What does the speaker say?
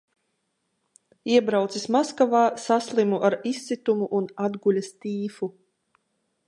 Iebraucis Maskavā, saslimu ar izsitumu un atguļas tīfu.